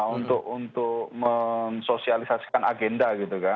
untuk mensosialisasikan agenda gitu kan